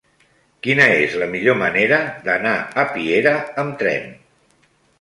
Quina és la millor manera d'anar a Piera amb tren?